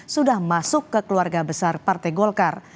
sudah masuk ke keluarga besar partai golkar